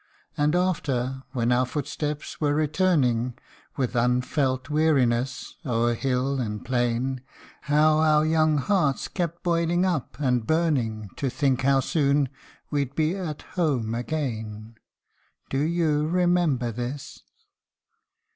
And after, when our footsteps were returning, With unfelt weariness, o'er hill and plain ; How our young hearts kept boiling up, and burning, To think how soon we^d be at home again. Do you remember this